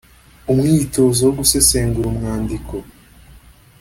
umwitozo wo gusesengura umwandiko